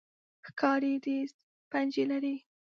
ښکاري تیز پنجې لري.